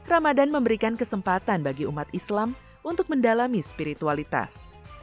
ramadan memberikan kesempatan bagi umat islam untuk mendalami spiritualitas